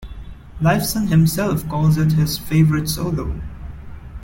Lifeson himself calls it his favorite solo.